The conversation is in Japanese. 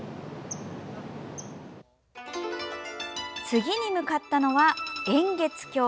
次に向かったのは、円月橋。